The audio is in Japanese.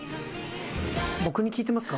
僕に聞いてますか？